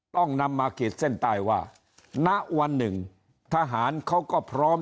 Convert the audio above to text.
ต้องนำมาขีดเส้นใต้ว่าณวันหนึ่งทหารเขาก็พร้อม